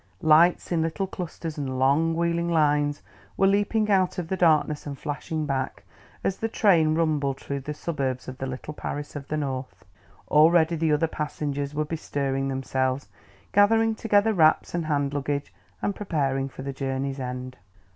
Lights, in little clusters and long, wheeling lines, were leaping out of the darkness and flashing back as the train rumbled through the suburbs of the little Paris of the North. Already the other passengers were bestirring themselves, gathering together wraps and hand luggage, and preparing for the journey's end.